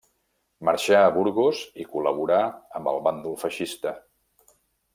Marxà a Burgos i col·laborà amb el bàndol feixista.